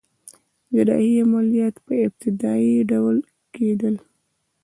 جراحي عملیات په ابتدایی ډول کیدل